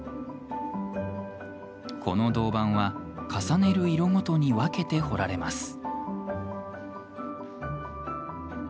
この銅版は、重ねる色ごとに分けて彫られます。